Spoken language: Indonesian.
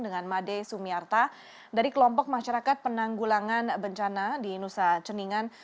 dengan made sumiarta dari kelompok masyarakat penanggulangan bencana di nusa ceningan